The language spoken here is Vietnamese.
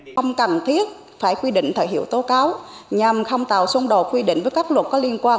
không cần thiết phải quy định thời hiệu tố cáo nhằm không tạo xung đột quy định với các luật có liên quan